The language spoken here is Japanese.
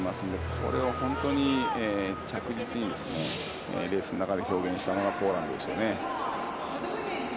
それを着実にレースの中で表現したのがポーランドですね。